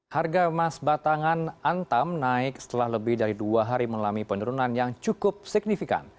harga emas batangan antam naik setelah lebih dari dua hari mengalami penurunan yang cukup signifikan